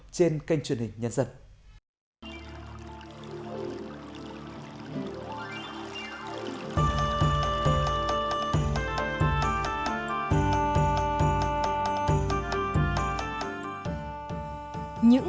trên kênh truyền hình nhân dân